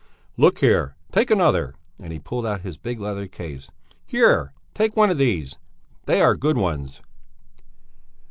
"Look here! Take another!" and he pulled out his big leather case. "Here! Take one of these! They are good ones!"